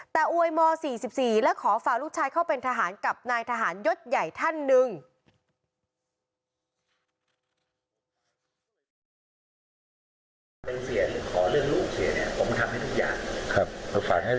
แต่อวยม๔๔และขอฝากลูกชายเข้าเป็นทหารกับนายทหารยศใหญ่ท่านหนึ่ง